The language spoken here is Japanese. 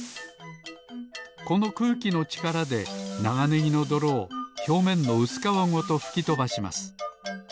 このくうきのちからでながねぎのどろをひょうめんのうすかわごとふきとばします。